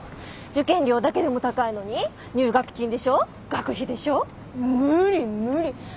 受験料だけでも高いのに入学金でしょ学費でしょ無理無理。